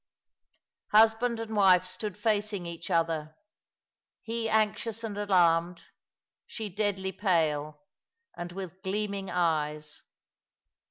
Husband and wife st<K)d facing each other, he anxious and alarmed, she deadly pale, and with gleaming eyes.